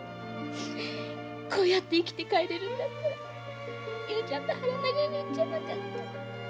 こうやって生きて帰れるんだったら雄ちゃんと離れるんじゃなかった。